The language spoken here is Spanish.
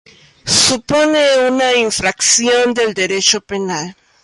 Supone una infracción del derecho penal.